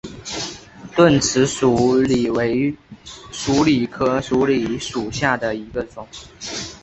钝齿鼠李为鼠李科鼠李属下的一个种。